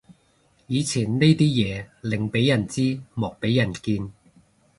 以前呢啲嘢寧俾人知莫俾人見